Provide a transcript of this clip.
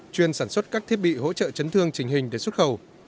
chuyên sản xuất các thiết bị hỗ trợ chấn thương trình hình để xuất khẩu